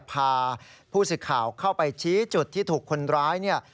พาผู้สิทธิ์ข่าวเข้าไปชี้จุดที่ถูกคนร้าย